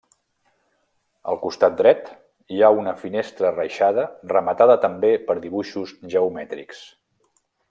Al costat dret hi ha una finestra reixada rematada també per dibuixos geomètrics.